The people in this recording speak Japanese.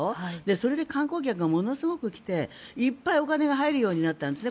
それが観光客がものすごく来ていっぱいお金が入るようになったんですね。